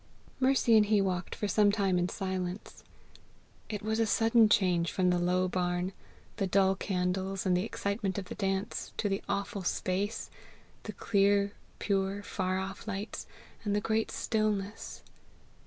Mercy and he walked for some time in silence. It was a sudden change from the low barn, the dull candles, and the excitement of the dance, to the awful space, the clear pure far off lights, and the great stillness.